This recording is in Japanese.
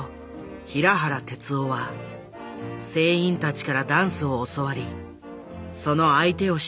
平原徹男は船員たちからダンスを教わりその相手をして踊った。